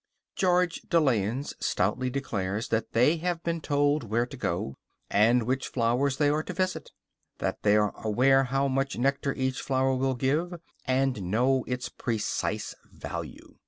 George de Layens stoutly declares that they have been told where to go to, and which flowers they are to visit; that they are aware how much nectar each flower will give, and know its precise value.